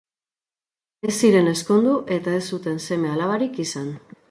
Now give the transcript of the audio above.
Ez ziren ezkondu, eta ez zuten seme-alabarik izan.